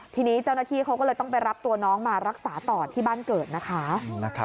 ทีนี้เจ้าหน้าที่เขาก็เลยต้องไปรับตัวน้องมารักษาต่อที่บ้านเกิดนะคะ